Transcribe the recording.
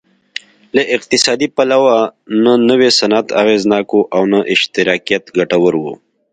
له اقتصادي پلوه نه نوی صنعت اغېزناک و او نه اشتراکیت ګټور و